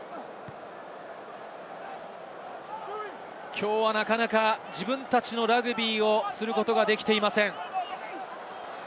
きょうはなかなか自分たちのラグビーをすることができていません。